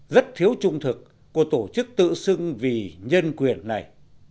rất thiếu trung thực của tổ chức tự xưng vì nhân quyền này